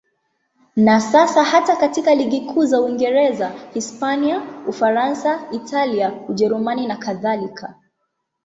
Na sasa hata katika ligi kuu za Uingereza, Hispania, Ufaransa, Italia, Ujerumani nakadhalika.